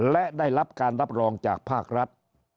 และได้รับการรับรองจากภาครัฐ